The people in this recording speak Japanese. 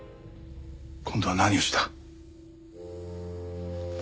今度は何をした？